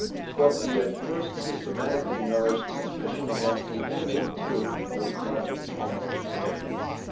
But the at first systematically nourished suspicion against the "enemy," too, was partly responsible for it.